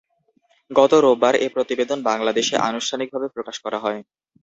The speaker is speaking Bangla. গত রোববার এ প্রতিবেদন বাংলাদেশে আনুষ্ঠানিকভাবে প্রকাশ করা হয়।